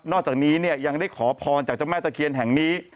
จากนี้เนี่ยยังได้ขอพรจากเจ้าแม่ตะเคียนแห่งนี้